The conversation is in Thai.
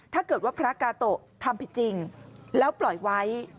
ถ้าเกิดว่าพระกาโตะทำผิดจริงแล้วปล่อยไว้